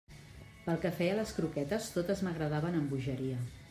Pel que feia a les croquetes, totes m'agradaven amb bogeria.